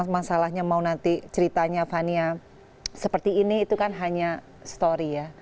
masalahnya mau nanti ceritanya fania seperti ini itu kan hanya story ya